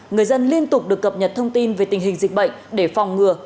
người dân liên tục được cập nhật thông tin về tình hình dịch bệnh để phòng ngừa